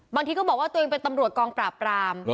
บางทีก็บอกว่าตัวเองเป็นตำรวจกองปราบราม